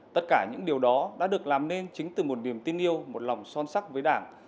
tất cả những điều đó đã được làm nên chính từ một niềm tin yêu một lòng son sắc với đảng